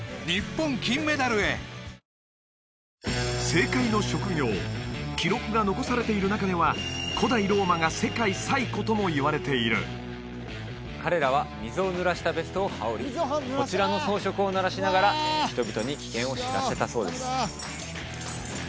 正解の職業記録が残されている中では古代ローマが世界最古ともいわれている彼らは水を濡らしたベストを羽織りこちらの装飾を鳴らしながら人々に危険を知らせたそうです